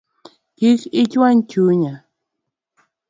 Kik ichuany chunya